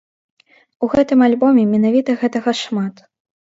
У гэтым альбоме менавіта гэтага шмат.